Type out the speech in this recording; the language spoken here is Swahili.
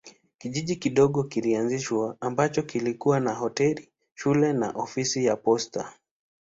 Kijiji kidogo kilianzishwa ambacho kilikuwa na hoteli, shule na ofisi ya posta.